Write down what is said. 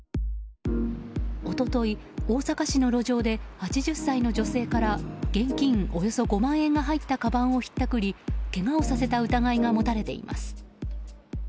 一昨日、大阪市の路上で８０歳の女性から現金およそ５万円が入ったかばんをひったくりけがをさせた疑いが持たれています。